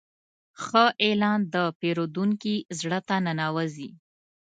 ښه اعلان د پیرودونکي زړه ته ننوځي.